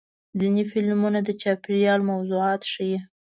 ځینې فلمونه د چاپېریال موضوعات ښیي.